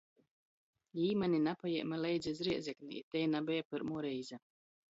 Jī mani napajēme leidza iz Rēzekni! I tei nabeja pyrmuo reize.